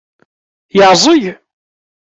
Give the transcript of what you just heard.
Yeɛẓeg?